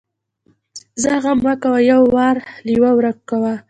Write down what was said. ځه غم مه کوه يو وار لېوه ورک کو.